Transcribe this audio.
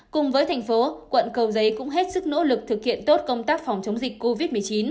cùng với thành phố quận cầu giấy cũng hết sức nỗ lực thực hiện tốt công tác phòng chống dịch covid một mươi chín